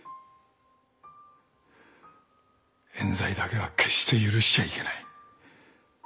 えん罪だけは決して許しちゃいけない。